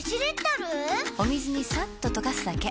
お水にさっと溶かすだけ。